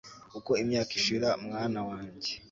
uko imyaka ishira, mwana wanjye